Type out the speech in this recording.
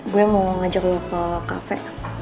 gue mau ngajak lo ke kafe